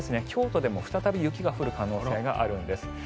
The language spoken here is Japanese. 京都でも再び雪が降る可能性があるんです。